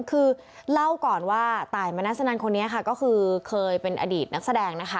คือเล่าก่อนว่าตายมนัสนันคนนี้ค่ะก็คือเคยเป็นอดีตนักแสดงนะคะ